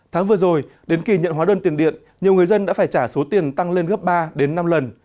tháng vừa rồi đến kỳ nhận hóa đơn tiền điện nhiều người dân đã phải trả số tiền tăng lên gấp ba đến năm lần